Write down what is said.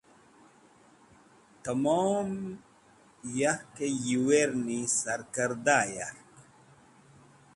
Tẽmom yark yiwerni sarkẽrdaẽ yark.